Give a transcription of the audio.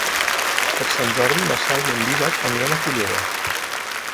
Per Sant Jordi na Cel i en Dídac aniran a Fulleda.